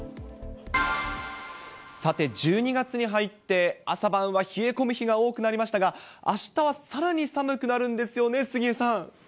さて、１２月に入って朝晩は冷え込む日が多くなりましたが、あしたはさらに寒くなるんですよね、杉江さん。